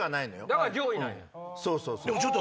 だから上位なんや。